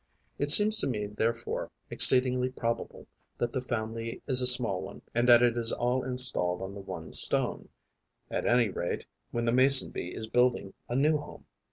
It seems to me therefore, exceedingly probable that the family is a small one and that it is all installed on the one stone, at any rate when the Mason bee is building a new home.